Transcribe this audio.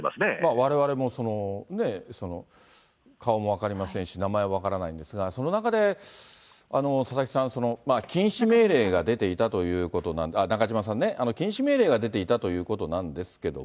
われわれも顔も分かりませんし、名前も分からないんですが、その中で、ささきさん、禁止命令が出ていたということ、中島さん、禁止命令が出ていたということなんですけれども、